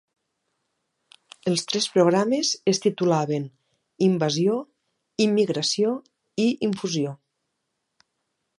Els tres programes es titulaven: "Invasió", "Immigració" i "Infusió".